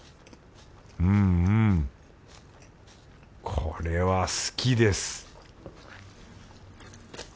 うんうんこれは好きです